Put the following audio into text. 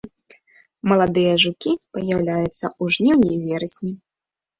Маладыя жукі паяўляюцца ў жніўні-верасні.